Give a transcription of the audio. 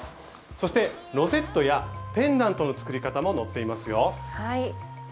そしてロゼットやペンダントの作り方も載っていますよ。